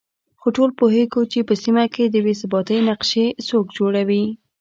خو ټول پوهېږو چې په سيمه کې د بې ثباتۍ نقشې څوک جوړوي